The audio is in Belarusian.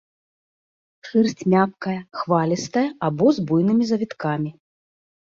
Шэрсць мяккая, хвалістая або з буйнымі завіткамі.